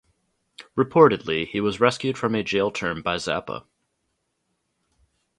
Reportedly, he was rescued from a jail term by Zappa.